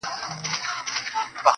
دادی ټکنده غرمه ورباندي راغله_